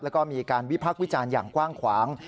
แล้วก็มีการวิพักษ์วิจารณ์อย่างกว้างขวาง